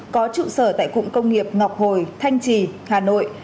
có trụ sở tại cụng công nghiệp ngọc hồi thanh trì hà nội